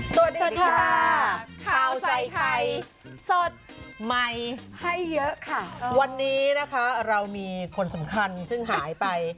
สวัสดีค่ะข้าวใส่ไข่สดใหม่ให้เยอะค่ะวันนี้นะคะเรามีคนสำคัญซึ่งหายไป